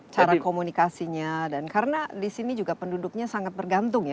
cara komunikasinya dan karena di sini juga penduduknya sangat bergantung ya